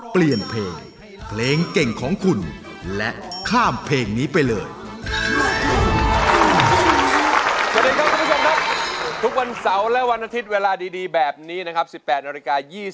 เปลี่ยนเพลงเพลงเก่งของคุณและข้ามเพลงนี้ไปเลย